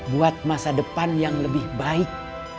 buat masa depan yang lebih baik